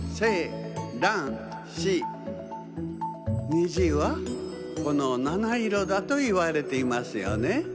虹はこのなないろだといわれていますよね。